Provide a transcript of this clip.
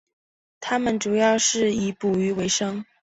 他们主要是以捕鱼维生。